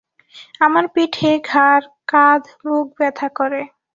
আমার পিঠে, ঘাড়, কাঁধ, বুক ব্যথা করে।